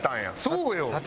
そうよ！